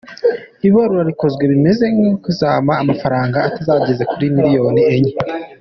ibarura rikozwe bemeza ko bazampa amafaranga atageze no kuri miliyoni enye.